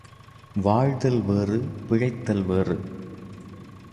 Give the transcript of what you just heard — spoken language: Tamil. வாழ்தல் வேறு பிழைத்தல் வேறு.